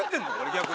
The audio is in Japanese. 逆に。